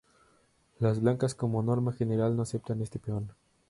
Las blancas como norma general no aceptan este peón.